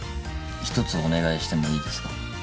ひとつお願いしてもいいですか？